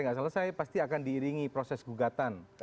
nggak selesai pasti akan diiringi proses gugatan